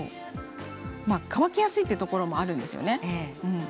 乾きやすいというところもあるんですよね。